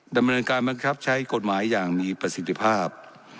ดำเนินการบังคับใช้กฎหมายอย่างมีประสิทธิภาพ